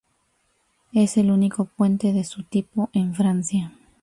Es el único puente de su tipo en Francia.